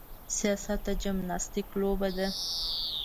سیاست د جمناستیک لوبه ده.